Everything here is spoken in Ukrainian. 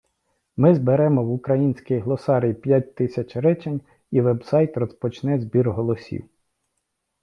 Ми зберемо в український глосарій п'ять тисяч речень і вебсайт розпочне збір голосів